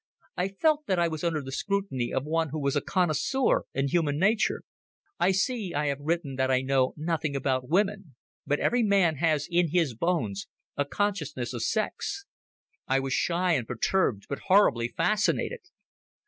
I felt that I was under the scrutiny of one who was a connoisseur in human nature. I see I have written that I knew nothing about women. But every man has in his bones a consciousness of sex. I was shy and perturbed, but horribly fascinated.